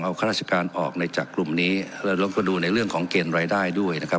เอาข้าราชการออกในจากกลุ่มนี้แล้วเราก็ดูในเรื่องของเกณฑ์รายได้ด้วยนะครับ